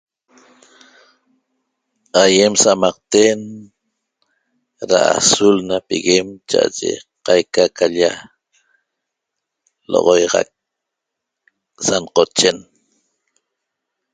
Aýem sa'amaqten da azul na piguen cha'aye qaica ca l-lla lo'oxoixac sa nqochen